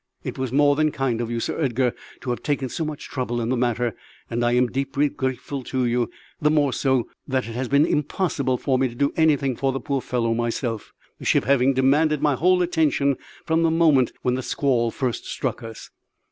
"It is more than kind of you, Sir Edgar, to have taken so much trouble in the matter, and I am deeply grateful to you, the more so that it has been impossible for me to do anything for the poor fellow myself, the ship having demanded my whole attention from the moment when the squall first struck us.